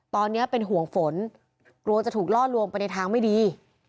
ตอนนี้เป็นห่วงฝนกลัวจะถูกล่อลวงไปในทางไม่ดี